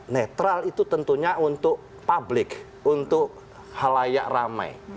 netral itu tentunya untuk publik untuk halayak ramai